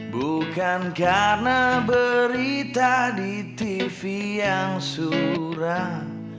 bukan karena berita di tv yang surah